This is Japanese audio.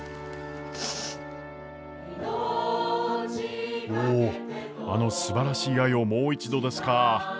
おお「あの素晴しい愛をもう一度」ですか。